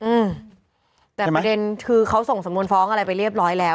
อืมแต่ประเด็นคือเขาส่งสำนวนฟ้องอะไรไปเรียบร้อยแล้ว